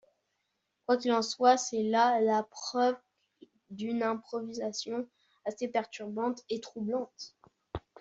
Quoi qu’il en soit, c’est là la preuve d’une improvisation assez perturbante et troublante.